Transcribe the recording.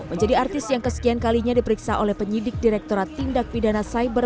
menjadi artis yang kesekian kalinya diperiksa oleh penyidik direkturat tindak pidana cyber